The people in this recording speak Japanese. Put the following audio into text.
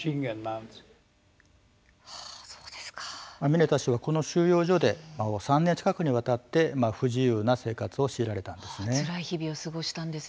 ミネタ氏は、この収容所で３年近くにわたって不自由な生活を強いられたんです。